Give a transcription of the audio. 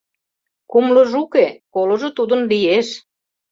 — Кумлыжо уке, колыжо тудын лиеш.